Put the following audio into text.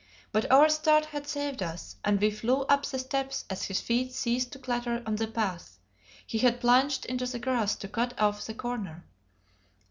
But our start had saved us, and we flew up the steps as his feet ceased to clatter on the path; he had plunged into the grass to cut off the corner.